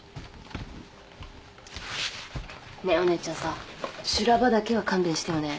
ねえお姉ちゃんさ修羅場だけは勘弁してよね。